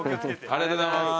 ありがとうございます。